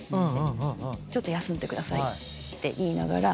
「ちょっと休んでください」って言いながら。